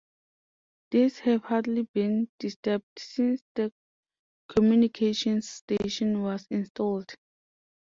These have hardly been disturbed since the communications station was installed.